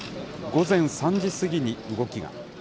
午前３時過ぎに動きが。